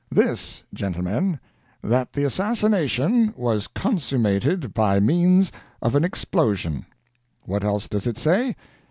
This, gentlemen: that the assassination was consummated by means of an explosive. What else does it say?